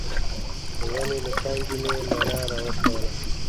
د ونې له څانګې مې مڼه راوشکوله.